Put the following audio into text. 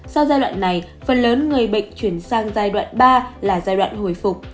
sau giai đoạn này phần lớn người bệnh chuyển sang giai đoạn ba là giai đoạn hồi phục